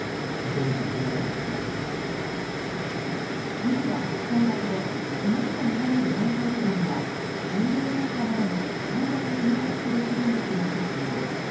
ビルは８階建てで、火元とみられる４階部分には心療内科などの患者を診察するクリニックが入っています。